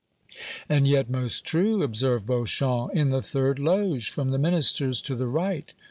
"And yet most true," observed Beauchamp; "in the third loge from the Minister's to the right.